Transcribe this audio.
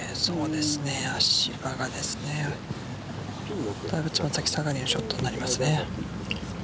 足場が爪先下がりのショットになりますね。